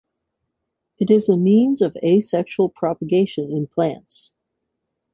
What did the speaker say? It is a means of asexual propagation in plants.